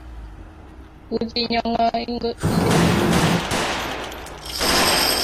Kutinyo ngo ingiro?